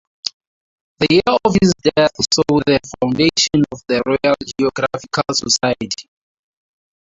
The year of his death saw the foundation of the Royal Geographical Society.